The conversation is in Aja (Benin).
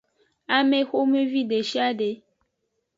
Amexomevi deshiade.